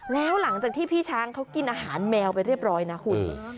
แล้วหลังจากที่พี่ช้างเขากินอาหารแมวไปเรียบร้อยนะคุณ